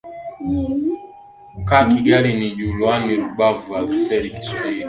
ka kigali ni juliani rubavu elefiki swahili